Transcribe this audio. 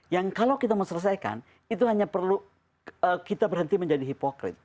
yang kalau kita mau selesaikan itu hanya perlu kita berhenti menjadi hipokrit